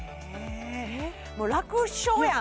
楽勝やん